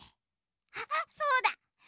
あっそうだ！